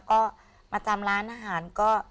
ก็มาจำร้านอาหารก็